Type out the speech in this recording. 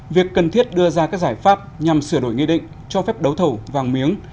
việc cần thiết đưa ra các giải pháp nhằm sửa đổi nghị định cho phép đấu thầu vàng miếng